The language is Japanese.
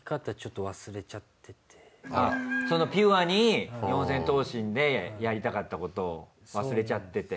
あっそのピュアに四千頭身でやりたかったことを忘れちゃってて。